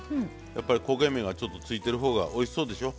やっぱり焦げ目がちょっとついてる方がおいしそうでしょ？